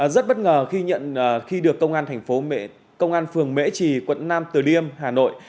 rất bất ngờ khi được công an phường mễ trì quận nam từ liêm hà nội